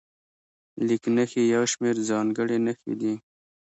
لیک نښې یو شمېر ځانګړې نښې دي.